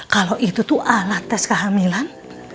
kalau itu tuh alat tes kehamilan